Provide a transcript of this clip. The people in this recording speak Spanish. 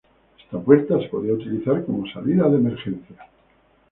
Esta puerta se podía utilizar como salida de emergencia.